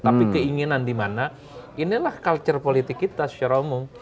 tapi keinginan dimana inilah culture politik kita secara umum